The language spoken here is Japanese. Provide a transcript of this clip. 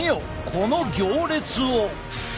この行列を。